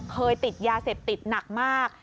เคยติดยาเสพติดหนักมาก